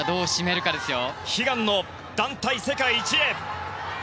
悲願の団体世界一へ！